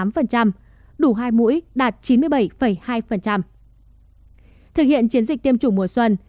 thực hiện chiến dịch tiêm chủ mùa xuân